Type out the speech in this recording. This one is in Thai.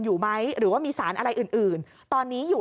อยู่ไหมหรือว่ามีสารอะไรอื่นตอนนี้อยู่